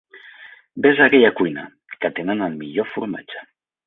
Ves a aquella cuina, que tenen el millor formatge.